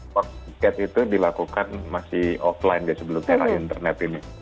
war tiket itu dilakukan masih offline sebelum terakhir internet ini